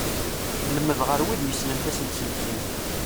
Lmed ɣer wid yessnen tasenselkimt.